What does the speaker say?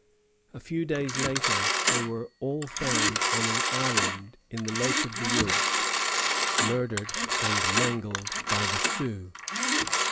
A few days later, they were all found on an island in the Lake of the Woods, murdered and mangled by the Sioux.